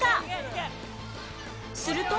すると